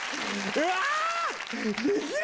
うわ！